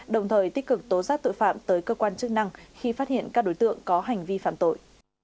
đồng thời tích cực tố giác tội phạm tới cơ quan chức năng khi phát hiện các đối tượng có hành vi phạm tội